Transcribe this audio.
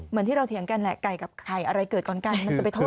เหมือนที่เราเถียงกันแหละไก่กับไข่อะไรเกิดก่อนกันมันจะไปโทษ